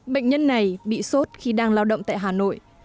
bệnh nhân này bị sốt khi đang lao động tại hà nội